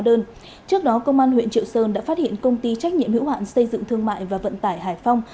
trước đó công an huyện triệu sơn đã phát hiện công ty trách nhiệm hữu hạn xây dựng thương mại và vận tải hải phong